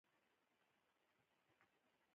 لویه وچه د سمندرونو غرونو ترمنځ لویه وچه ده.